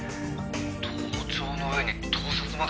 「盗聴のうえに盗撮まで！？」